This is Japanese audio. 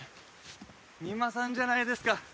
三馬さんじゃないですか。